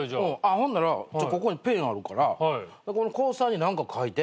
ほんならここにペンあるからこのコースターに何かかいて。